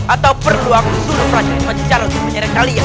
atau perlu aku suruh pelajar maju calon untuk menyediakan kalian